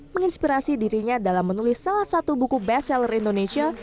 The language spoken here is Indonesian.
menginspirasi dirinya dalam menulis salah satu buku bestseller indonesia